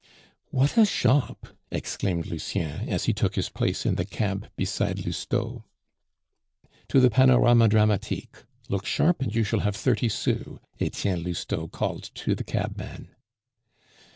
"What a shop!" exclaimed Lucien, as he took his place in the cab beside Lousteau. "To the Panorama Dramatique; look sharp, and you shall have thirty sous," Etienne Lousteau called to the cabman.